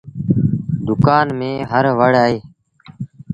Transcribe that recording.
دُڪآن ميݩ هر وڙ اهي۔